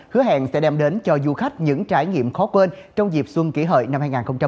hứa hẹn sẽ đem đến cho du khách những trải nghiệm khó quên trong dịp xuân kỷ hợi năm hai nghìn một mươi chín